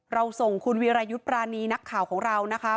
ส่งคุณวิรายุทธ์ปรานีนักข่าวของเรานะคะ